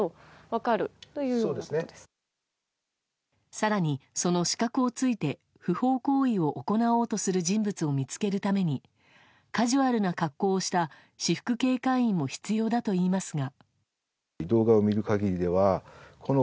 更にその死角を突いて不法行為を行おうとする人物を見つけるためにカジュアルな格好をした私服警戒員も必要だといいますが。